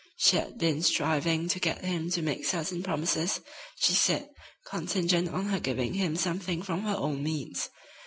She had been striving to get him to make certain promises, she said, contingent on her giving him something from her own means.